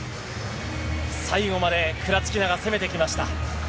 最後までクラチキナが攻めてきました。